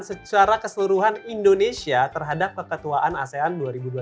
secara keseluruhan indonesia terhadap keketuaan asean dua ribu dua puluh tiga